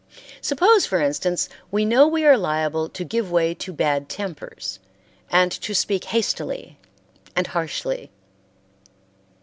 Suppose, for instance we know we are liable to give way to bad tempers and to speak hastily and harshly.